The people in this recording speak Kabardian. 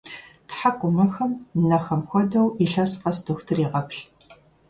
ТхьэкӀумэхэм, нэхэм хуэдэу, илъэс къэс дохутыр егъэплъ.